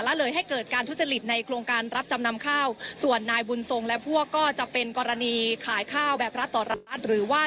และเลยให้เกิดการทุจริตในโครงการรับจำนำข้าวส่วนนายบุญทรงและพวกก็จะเป็นกรณีขายข้าวแบบรัฐต่อรัฐหรือว่า